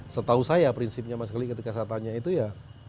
setahu saya prinsipnya ketika saya tanya itu ya